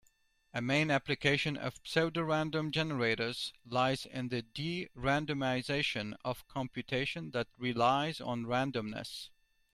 A main application of pseudorandom generators lies in the de-randomization of computation that relies on randomness.